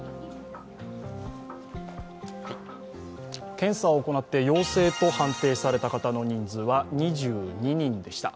検査を行って陽性と判定された方の人数は２２人でした。